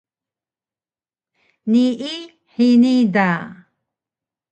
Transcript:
Nii hini da!